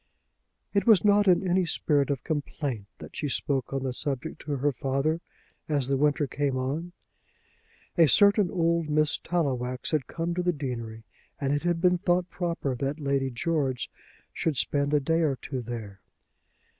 It was not in any spirit of complaint that she spoke on the subject to her father as the winter came on. A certain old Miss Tallowax had come to the deanery, and it had been thought proper that Lady George should spend a day or two there.